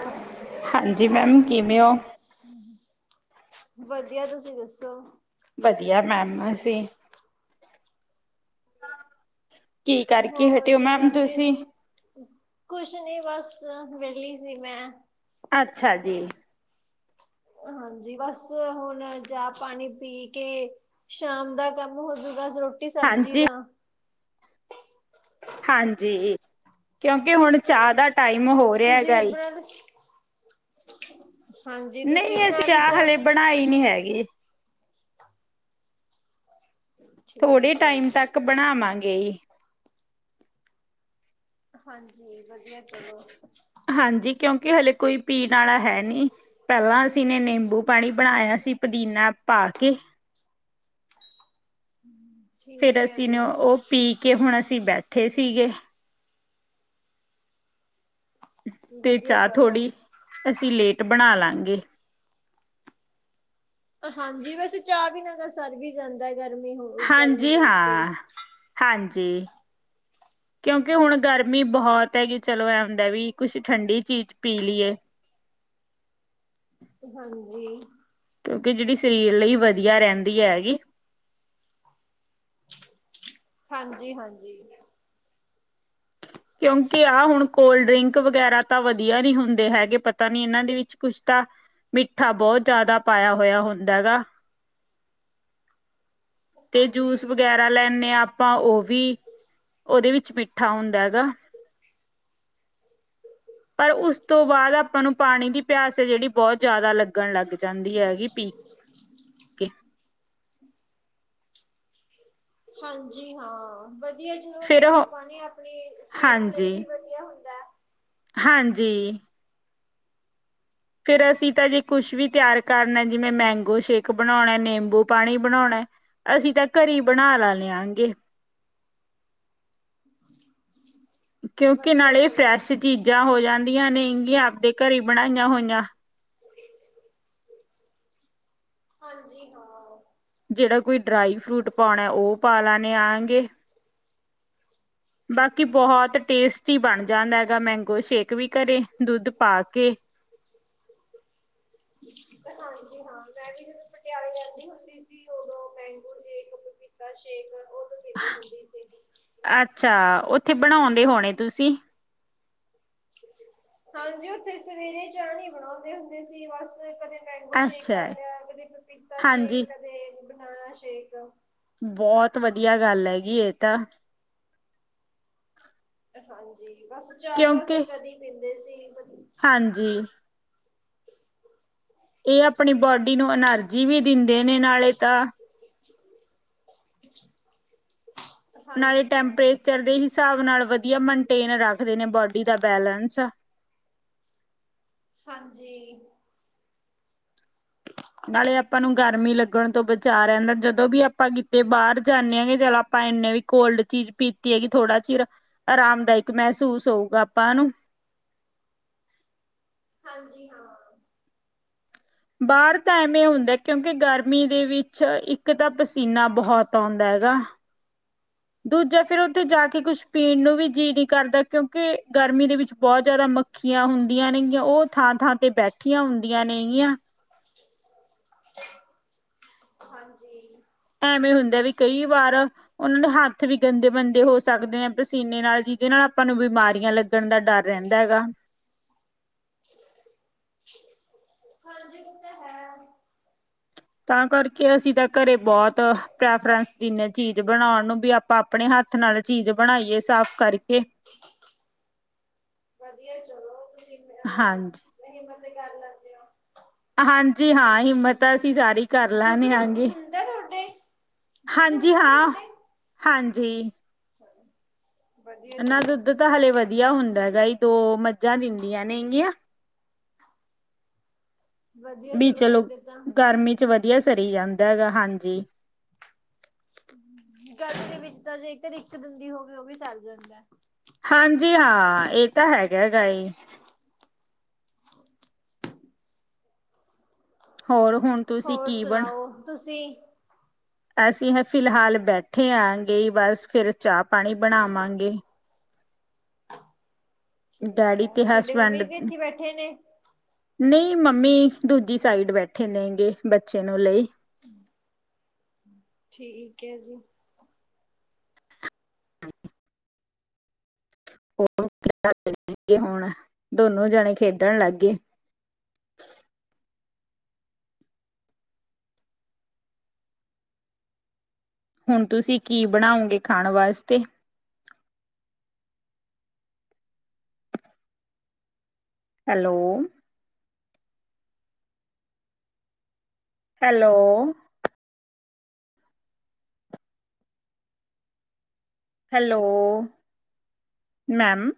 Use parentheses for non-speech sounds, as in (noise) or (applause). ਹੋ ਹਾਂਜੀ ਮੈਮ ਕਿਵੇਂ ਔ? ਵਧੀਆ, ਤੁਸੀਂ ਦੱਸੋ? ਵਧੀਆ ਮੈਮ ਅਸੀ ਹੋਰ ਕੀ ਕਰ ਰਹੇ ਤੁਸੀਂ ਸੀ, ਕੁਛ ਨੀ ਬਸ ਵੇਹਲੀ ਸੀ ਮੈਂ ਅੱਛਾ ਜੀ, ਹਾਂਜੀ ਬਸ ਹੁਣ ਜਾਂ ਪਾਣੀ ਪੀ ਕੇ ਸ਼ਾਮ ਦਾ ਕੰਮ ਹੋਜੂਗਾ ਰੋਟੀ ਸਬਜ਼ੀ ਹਾਂਜੀ ਦਾ ਹਾਂਜੀ, ਕਿਉਂਕਿ ਹੁਣ ਚਾਹ ਦਾ ਟਾਈਮ ਹੋ ਰਿਹਾ ਤੁਸੀਂ ਹੈਗਾ ਈ ਬਣਾ, ਹਾਂਜੀ ਤੁਸੀਂ ਬਣਾ ਲਈ ਚਾਹ? ਆਈ ਨੀ ਹੈਗੇ। ਥੋੜੇ ਠੀਕ ਹੈ ਟਾਈਮ ਜੀ। ਤੱਕ ਬਣਾਵਾਂਗੇ। ਹਾਂਜੀ ਵਧੀਆ ਚਲੋ। ਹਾਂਜੀ ਕਿਉਂਕਿ ਹਲੇੇ ਕੋਈ ਪੀਣ ਆਲਾ ਹੈ ਨੀ। ਪਹਿਲਾਂ ਅਸੀਂ ਨੇ ਨਿੰਬੂ ਪਾਣੀ ਬਣਾਇਆ ਸੀ ਪੁਦੀਨਾ ਪਾ ਕੇ, ਫੇਰ ਠੀਕ ਹੈ ਅਸੀਂ ਜੀ ਨਾ ਓ ਪੀ ਕੇ ਹੁਣ ਅਸੀਂ ਬੈਠੇ ਸੀਗੇ। ਤੇ ਵਧੀਆ ਚਾ ਚਲੋ। ਥੋੜ੍ਹੀ ਅਸੀਂ ਲੇਟ ਬਣਾ ਲਾਂਗੇ। ਹਾਂਜੀ ਵੈਸੇ ਚਾ ਵੀਨਾਂ ਤਾਂ ਸਰ ਵੀ ਜਾਂਦਾ ਗਰਮੀ ਹੋ ਗਰਮੀ ਹਾਂਜੀ ਕਰਕੇ। ਹਾਂ ਹਾਂਜੀ। ਕਿਉਂਕਿ ਹੁਣ ਗਰਮੀ ਬੋਹਤ ਹੈਗੀ ਚਲੋ ਐ ਹੁੰਦਾ ਵੀ ਕੁਛ ਠੰਡੀ ਚੀਜ਼ ਪੀ ਲਿਏ। ਹਾਂਜੀ। ਕਿਉਂਕਿ ਜੇੜੀ ਸਰੀਰ ਲਈ ਵਧੀਆ ਰੈਂਦੀ ਹੇਗੀ। ਹਾਂਜੀ-ਹਾਂਜੀ। ਕਿਉਂਕਿ ਆ ਹੁਣ ਕੋਲਡ ਡਰਿੰਕ ਵਗੈਰਾ ਤਾਂ ਵਧੀਆ ਨੀ ਹੁੰਦੇ ਹੈਗੇ ਪਤਾ ਨੀ ਏਨਾਂ ਦੇ ਵਿੱਚ ਕੁਛ ਤਾਂ ਮਿੱਠਾ ਬੋਤ ਜਾਦਾ ਪਾਇਆ ਹੋਇਆ ਹੁੰਦਾ ਹੈਗਾ। (inaudible) ਤੇ ਜੂਸ ਹਾਂਜੀ। ਵਗੈਰਾ ਲੈਂਨੇ ਆਪ ਪਾਂ ਓ ਵੀ, ਓਦੇ ਵਿੱਚ ਮਿੱਠਾ ਹੁੰਦਾ ਹੈਗਾ। ਪਰ ਉਸ ਤੋਂ ਬਾਦ ਆਪਾਂ ਨੂੰ ਪਾਣੀ ਦੀ ਪਿਆਸ ਏ ਜੇੜੀ ਬੋਤ ਜਾਦਾ ਲੱਗਣ ਲੱਗ ਜਾਂਦੀ ਹੈਗੀ ਪੀ ਕੇ ਹਾਂਜੀ ਹਾਂ, ਬ ਵਦੀਆ ਜ਼ਰੂਰ ਫਿਰ ਉਹ ਨਿੰਬੂ ਪਾਣੀ ਆਪਣੀ ਸੇਹਤ ਲਈ ਹਾਂਜੀ ਵੀ ਵਦੀਆ ਹੁੰਦੈ। ਹਾਂਜੀ। ਫਿਰ ਅਸੀਂ ਤਾਂ ਜੇ ਕੁਛ ਵੀ ਤਿਆਰ ਕਰਨਾ, ਜਿਵੇਂ ਮੈਂਗੋ ਸ਼ੇਕ ਬਣਾਉਣਾ ਨਿੰਬੂ ਪਾਣੀ ਬਣਾਉਣਾ ਅਸੀਂ ਤਾਂ ਘਰੇ ਈ ਬਣਾ ਲਾ ਲਿਆਂਗੇ। (inaudible) ਕਿਉਂਕਿ ਵਧੀਆ ਨਾਲੇ ਚਲੋ ਫਰੈਸ਼ ਚੀਜ਼ਾਂ ਹੋ ਜਾਂਦੀਆਂ ਨੇ ਗੀਆਂ ਆਪਦੇ ਘਰੇ ਬਣਾਈਆਂ ਹੋਈਆਂ। ਹਾਂਜੀ ਹਾਂ। ਜੇੜਾ ਕੋਈ ਡਰਾਈ ਫਰੂਟ ਪਾਉਣਾ ਓ ਪਾ ਲੈਨੇ ਆਂਗੇ। ਬਾਕੀ ਬੋਹਤ ਟੇਸਟੀ ਬਣ ਜਾਂਦਾ ਹੈਗਾ ਮੈਂਗੋ ਸ਼ੇਕ ਵੀ ਘਰੇ ਦੁੱਧ ਪਾ ਕੇ। ਹਾਂਜੀ ਹਾਂ ਮੈਂ ਵੀ ਜਦੋਂ ਪਟਿਆਲੇ ਰੈਂਦੀ ਹੁੰਦੀ ਸੀ ਓਦੋਂ ਮੈਂਗੋ ਸੈ਼ਕ (unintelligible) ਦਾ ਸ਼ੇਕ ਓਦੋਂ ਪਿੰਦੀ ਹੁੰਦੀ ਸੀਗੀ। ਅੱਛਾ ਓਥੇ ਬਣਾਉਂਦੇ ਹੋਣੇ ਤੁਸੀਂ। ਹਾਂਜੀ ਓਥੇ ਸਵੇਰੇ ਚਾ ਨੀ ਬਣਾਉਂਦੇ ਹੁੰਦੇ ਸੀ ਬਸ ਕਦੇ ਮੈਂਗੋ ਸ਼ੇਕ ਅੱਛਾ ਕਰ ਲੇਆ, ਕਦੇ ਪਪੀਤਾ ਸ਼ੇਕ, ਹਾਂਜੀ ਕਦੇ ਬਨਾਨਾ ਸ਼ੇਕ। ਬੋਤ ਵਦੀਆ ਗੱਲ ਹੇਗੀ ਏ ਤਾਂ। ਹਾਂਜੀ ਬਸ ਚਾ ਤਾਂ ਅਸੀਂ ਕਿਉਂਕਿ ਕਦੀ ਪੀਂਦੇ ਸੀ ਕਦੀ ਹਾਂਜੀ। ਏ ਆਪਣੀ ਬੋਡੀ ਨੂੰ ਐਨਰਜੀ ਵੀ ਦਿੰਦੇ ਨੇ ਨਾਲੇ ਤਾਂ ਨਾਲੇ ਹਾਂਜੀ ਹਾਂ ਟੈਂਪਰੇਚਰ ਦੇ ਹਿਸਾਬ ਨਾਲ ਵਦੀਆ ਮੇਨਟੇਨ ਰੱਖਦੇ ਨੇ ਬੋਡੀ ਦਾ ਬੈਲੈਂਸ। ਹਾਂਜੀ। ਨਾਲੇ ਆਪਾਂ ਨੂੰ ਗਰਮੀ ਲੱਗਣ ਤੋਂ ਬਚਾਅ ਰੈਂਦਾ, ਜਦੋਂ ਵੀ ਆਪਾਂ ਕਿਤੇ ਬਾਰ ਜਾਂਦੇ ਹਾਂਗੇ ਚੱਲ ਆਪਾਂ ਏਨੇ ਵੀ ਕੋਲਡ ਚੀਜ਼ ਪੀਤੀ ਹੈਗੀ ਥੋੜਾ ਚਿਰ, ਆਰਾਮ ਦਾਇਕ ਮਹਿਸੂਸ ਹੋਊਗਾ ਆਪਾਂ ਨੂੰ। ਹਾਂਜੀ ਹਾਂ। ਬਾਰ ਤਾਂ ਐਵੇਂ ਹੁੰਦਾ ਕਿਉਂਕਿ ਗਰਮੀ ਦੇ ਵਿੱਚ ਇੱਕ ਤਾਂ ਪਸੀਨਾ ਬੋਹਤ ਆਉਂਦਾ ਹੇਗਾ। ਦੂਜਾ ਫਿਰ ਓਥੇ ਜਾ ਕੇ ਕੁਛ ਪੀਣ ਨੂੰ ਵੀ ਜੀ ਨੀ ਕਰਦਾ ਕਿਉਂਕਿ ਗਰਮੀ ਦੇ ਵਿੱਚ ਬੋਤ ਜਾਦਾ ਮ ਖੀਆਂ ਹੁੰਦੀਆਂ ਨੇਗੀਆਂ ਓ ਥਾਂ-ਥਾਂ ਤੇ ਬੈਠੀਆਂ ਹੁੰਦੀਆਂ ਨੇਗੀਆਂ। (inaudible) ਜੀ। ਐਵੇਂ ਹੁੰਦਾ ਵੀ ਕਈ ਵਾਰ ਓਨਾਂ ਦੇ ਹੱਥ ਵੀ ਗੰਦੇ ਮੰਦੇ ਹੋ ਸਕਦੇ ਨੇ ਪਸੀਨੇ ਨਾਲ ਜਿਦੇ ਨਾਲ ਆਪਾਂ ਨੂੰ ਬਿਮਾਰੀਆਂ ਲੱਗ ਲਗਣ ਦਾ ਡਰ ਰੇਂਦਾ ਹੈਗਾ। ਹਾਂਜੀ ਓ ਤਾਂ ਹੈ। ਤਾਂ ਕਰਕੇ ਅਸੀਂ ਤਾਂ ਘਰੇ ਬੋਤ ਪ੍ਰੈਫਰੈਂਸ ਦਿੰਦੇ ਚੀਜ਼ ਬਣਾਉਣ ਨੂੰ ਵੀ ਆ ਆਪਾ ਆਪਣੇ ਹੱਥ ਨਾਲ ਚੀਜ਼ ਬਣਾਈਏ ਸਾਫ਼ ਕਰਕੇ। (unintelligible) ਵਧੀਆ ਚਲੋ ਤੁਸੀਂ ਫਿਲਹਾਲ ਹਾਂਜੀ ਹਿੰਮਤ ਤਾ ਕਰ ਲੈਂਦੇ ਹੋ। ਹਾਂਜੀ ਹਾਂ ਹਿੰਮਤ ਤਾ ਅਸੀਂ ਸਾਰੀ ਕਰ ਦੁੱਧ ਲੈਣੇ ਹਾਂਜੀ। ਹੁੰਦਾ ਤੁਹਾਡੇ ਦੁੱਧ ਹਾਂਜੀ ਹੁੰਦਾ ਹਾਂ ਤੁਹਾਡੇ ਹਾਂਜੀ। ਵਧੀਆ ਏਨਾਂ ਦਾ ਚਲੋ ਦੁੱਧ ਤਾਂ ਹਲੇ ਵਧੀੱਆ ਹੁੰਦਾ ਹੈਗਾ ਈ, ਦੋ ਮੱਝਾਂ ਦਿੰਦੀਆਂ ਨੇਗੀਆਂ। ਵਧੀਆ ਵੀ ਚਲੋ ਤੁਹਾਡੇ ਤਾਂ ਗਰਮੀ ਚ ਵੱਧਿਆ ਸਰੀ ਜਾਂਦਾ ਹੈਗਾ, ਹਾਂਜੀ। ਗਰਮੀ ਦੇ ਵਿੱਚ ਤਾਂ ਜੇਕਰ ਇੱਕ ਦਿੰਦੀ ਹੋਵੇ ਓ ਵੀ ਸਰ ਜਾਂਦਾ। ਹਾਂਜੀ ਹਾਂ ਏ ਤਾਂ ਹੈਗਾ ਗਾ, ਈ ਹੋਰ ਹੁਣ ਤੁਸੀਂ ਹੋਰ ਕੀ ਬਣ ਸੁਣਾਓ ਤੁਸੀਂ? ਅਸੀਂ ਹ ਫਿਲਹਾਲ ਬੈਠੇ ਆ, ਆਣਗੇ, ਬਸ ਫਿਰ ਚਾ ਪਾਣੀ ਬਣਾਵਾਂਗੇ। ਠੀਕ ਡੈਡੀ ਹੈ ਤੇ ਤੁਹਾਡੇ ਹਸਬੈਂਡ। ਮੰਮੀ ਵੀ ਇੱਥੇ ਬੈਠੇ ਨੇ ਨਹੀਂ ਮੰਮੀ ਦੂਜੀ ਸਾਈਡ ਬੈਠੇ ਨੇ ਗੇ ਬੱਚੇ ਨੂੰ ਲਈ। ਠੀਕ ਏ ਜੀ। ਹ ਹੋ ਹੁਣ ਦੋਨੋ ਜਣੇ ਖੇਡਣ ਲੱਗ ਗਏ। ਹੁਣ ਤੁਸੀਂ ਕੀ ਬਣਾਓਗੇ ਖਾਣ ਵਾਸਤੇ। Hello hello hello ma'am